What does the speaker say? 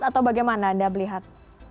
atau bagaimana anda melihat